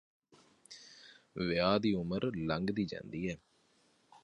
ਵਿਆਹ ਦੀ ਉਮਰ ਲਘਦੀ ਜਾਂਦੀ ਐ